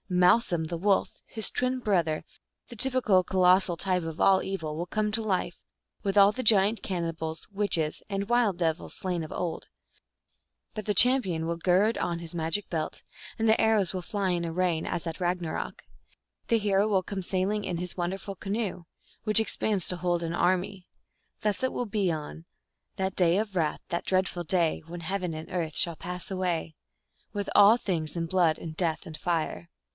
Malsum the Wolf, his twin brother, the typical colos sal type of all Evil, will come to life, with all the giant cannibals, witches, and wild devils slain of old ; but the champion will gird on his magic belt, and the arrows will fly in a rain as at Kagnarok : the hero will come sailing in his wonderful canoe, which expands to hold an army. Thus it will be on " That day of wrath, that dreadful day, When heaven and earth shall pass away," with all things, in blood and death and fire.